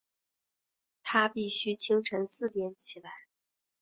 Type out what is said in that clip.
她必须清晨四点起来